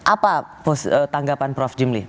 apa tanggapan prof jimli